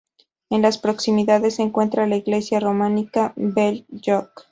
En las proximidades se encuentra la iglesia románica de Bell-lloc.